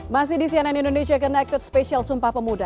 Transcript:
masih di cnn indonesia connected spesial sumpah pemuda